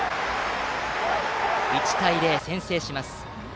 １対０、先制します。